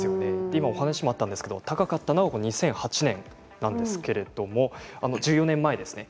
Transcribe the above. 今、お話にもあったんですが高かったのは２００８年なんですが１４年前ですね。